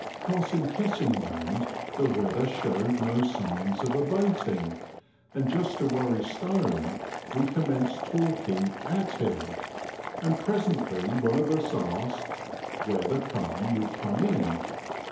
Passing Kessingland, the weather showed no signs of abating, and just to worry Stone, we commenced talking at him ; and presently one of us asked '* where the calm would come in."